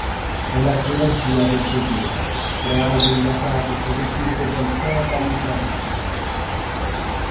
È la trilogia del potere: tre album basati sul rifiuto del totalitarismo.